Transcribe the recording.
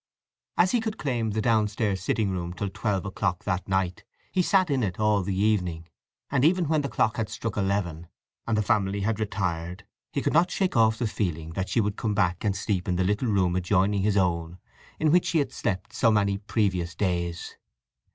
As he could claim the downstairs sitting room till twelve o'clock that night he sat in it all the evening; and even when the clock had struck eleven, and the family had retired, he could not shake off the feeling that she would come back and sleep in the little room adjoining his own in which she had slept so many previous days.